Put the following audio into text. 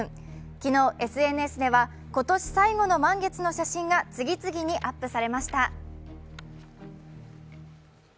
昨日、ＳＮＳでは今年最後の満月の写真が次々にアップされました。